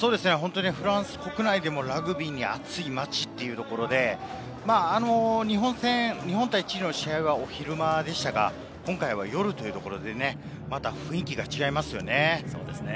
フランス国内でもラグビーに暑い町ということで、日本対チリの試合は昼間でしたが、今回は夜でまた雰囲気が違いますね。